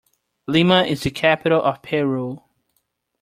Lima is the capital of Peru.